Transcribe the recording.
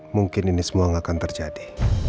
mungkin ini semua akan terjadi